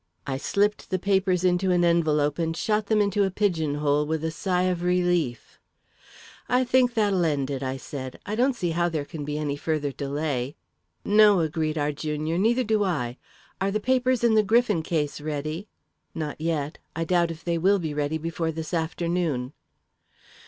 I slipped the papers into an envelope and shot them into a pigeon hole with a sigh of relief. "I think that'll end it," I said. "I don't see how there can be any further delay." "No," agreed our junior, "neither do I. Are the papers in the Griffin case ready?" "Not yet; I doubt if they will be ready before this afternoon."